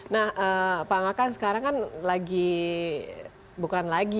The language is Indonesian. nah pak angga kan sekarang kan lagi bukan lagi ya